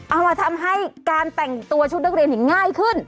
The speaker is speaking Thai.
เอามาทำให้การแต่งตัวชุดนักเรียนง่ายขึ้น